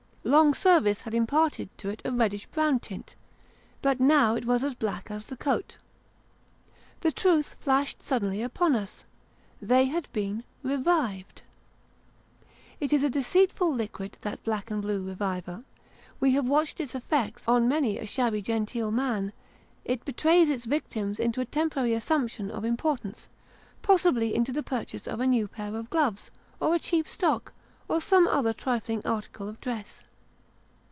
Long service had imparted to it a reddish brown tint ; but, now, it was as black as the coat. The truth flashed suddenly upon us they had been " revived." It is a deceitful liquid that black and blue reviver; we have watched its effects on many a shabby genteel man. It betrays its victims into a temporary assumption of importance : possibly into the purchase of a new pair of gloves, or a cheap stock, or some other trifling article of dress.